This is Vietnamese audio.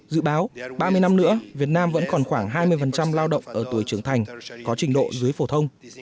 dự báo ba mươi năm nữa việt nam vẫn còn khoảng hai mươi lao động ở tuổi trưởng thành có trình độ dưới phổ thông